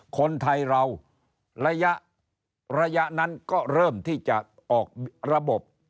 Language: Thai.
คนไทยเราระยะนั้นก็เริ่มที่จะออกระบบ